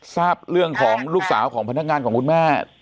ทราบเรื่องของลูกสาวของพนักงานของคุณแม่